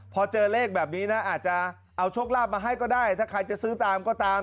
พอเจอเลขแบบนี้นะอาจจะเอาโชคลาภมาให้ก็ได้ถ้าใครจะซื้อตามก็ตาม